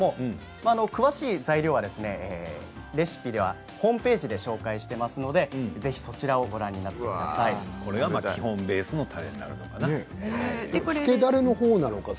詳しい材料は、レシピはホームページで紹介していますので、そちらをこれは基本ベースのたれなんですね。